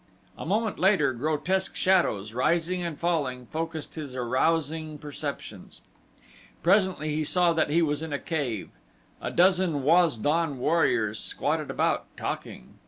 A moment later grotesque shadows, rising and falling, focused his arousing perceptions. Presently he saw that he was in a cave. A dozen Waz don warriors squatted about, talking.